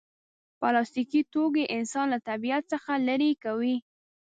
پلاستيکي توکي انسان له طبیعت څخه لرې کوي.